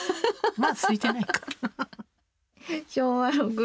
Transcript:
まだすいてないか。